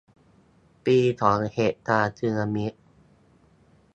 ปีของเหตุการณ์สีนามิ